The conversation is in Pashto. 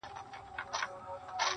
ما یې دنګه ونه په خوبونو کي لیدلې وه!!